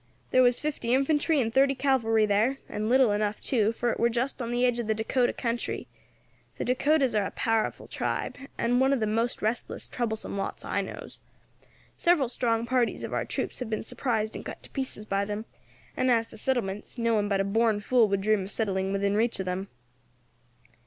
There was fifty infantry and thirty cavalry there, and little enough too, for it war just on the edge of the Dacota country. The Dacotas are a powerful tribe, and are one of the most restless, troublesome lots I knows. Several strong parties of our troops have been surprised and cut to pieces by them; and as to settlements, no one but a born fool would dream of settling within reach of them.